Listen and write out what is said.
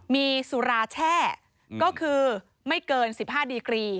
มีสุราแช่ก็คือไม่เกิน๑๕ดีกรี